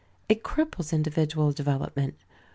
It cripples individual development.